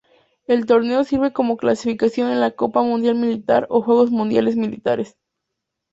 El torneo sirve como clasificación a la Copa Mundial Militar o Juegos Mundiales Militares.